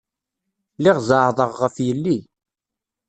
Lliɣ zeɛɛḍeɣ ɣef yelli.